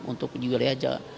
untuk juga reaja